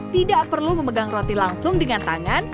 tidak perlu memegang roti langsung dengan tangan